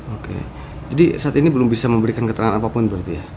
oke jadi saat ini belum bisa memberikan keterangan apapun berarti ya